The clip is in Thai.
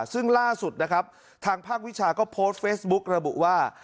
ซึ่งล่าสุดนะครับทางภาควิชาก็โพสต์เฟซบุ๊กระบุว่า